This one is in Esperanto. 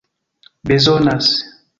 bezonas